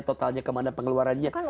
totalnya kemana pengeluarannya